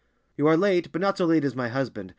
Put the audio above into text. "You are late, but not so late as my husband.